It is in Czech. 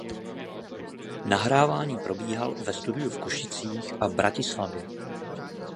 Nahrávání probíhal ve studiu v Košicích a Bratislavě.